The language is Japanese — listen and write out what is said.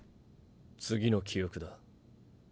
次の記憶だ。